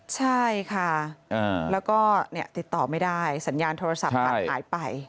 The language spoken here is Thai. ใช่ค่ะแล้วก็ติดต่อไม่ได้สัญญาณโทรศัพท์ผ่านหายไป